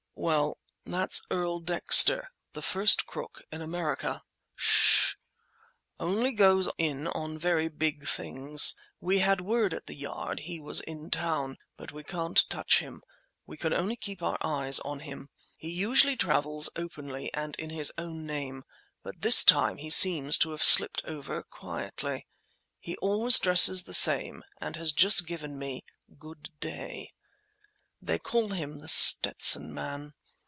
"Well, that's Earl Dexter, the first crook in America! Ssh! Only goes in on very big things. We had word at the Yard he was in town; but we can't touch him—we can only keep our eyes on him. He usually travels openly and in his own name, but this time he seems to have slipped over quietly. He always dresses the same and has just given me 'good day!' They call him The Stetson Man.